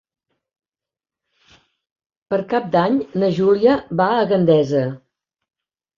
Per Cap d'Any na Júlia va a Gandesa.